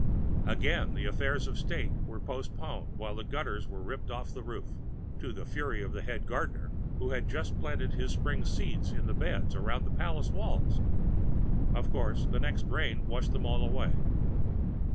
Again the affairs of state were postponed while the gutter was ripped off the roof, to the fury of the head gardener, who had just planted his spring seeds in the beds around the palace walls. Of course the next rain washed them all away.